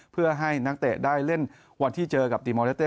เพื่อให้นักเตะได้เล่นวันที่เจอกับตีมอลเลเต้